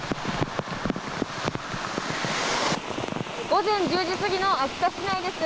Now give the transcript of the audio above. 午前１０時過ぎの秋田市内です。